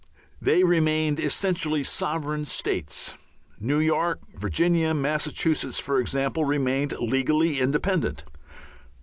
They remained essentially sovereign states. New York, Virginia, Massachusetts, for example, remained legally independent.